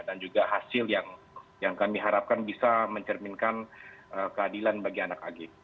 dan juga hasil yang kami harapkan bisa mencerminkan keadilan bagi anak ag